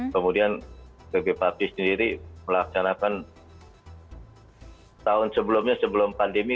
kemudian pp parti sendiri melaksanakan tahun sebelumnya sebelum pandemi